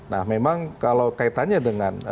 nah memang kalau kaitannya dengan